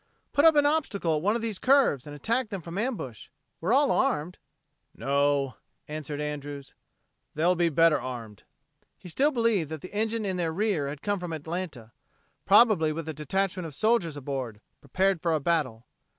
"Put up an obstacle at one of these curves, and attack them from ambush? We're all armed." "No," answered Andrews; "they'll be better armed." He still believed that the engine in their rear had come from Atlanta probably with a detachment of soldiers aboard, prepared for a battle.